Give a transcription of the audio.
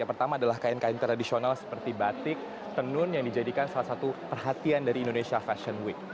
yang pertama adalah kain kain tradisional seperti batik tenun yang dijadikan salah satu perhatian dari indonesia fashion week